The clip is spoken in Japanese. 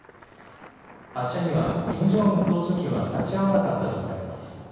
発射にはキム・ジョンウン総書記は立ち会わなかったと見られます。